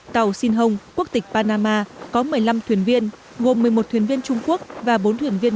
tàu sinh hong quốc tịch panama có một mươi năm thuyền viên gồm một mươi một thuyền viên trung quốc và bốn thuyền viên